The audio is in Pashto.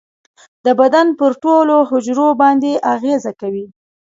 د بدن پر ټولو حجرو باندې اغیزه کوي.